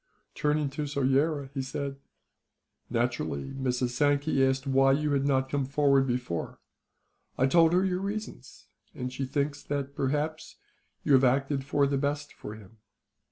Turning to Soyera, he said: "Naturally Mrs. Sankey asked why you had not come forward before. I told her your reasons, and she thinks that, perhaps, you have acted for the best for him.